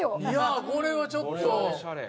いやあこれはちょっと。